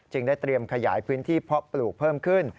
ได้เตรียมขยายพื้นที่เพาะปลูกเพิ่มขึ้น